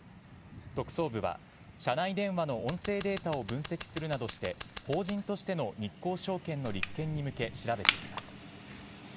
特捜部は社内電話の音声データを分析するなどして法人としての日興証券の立件に向け調べています。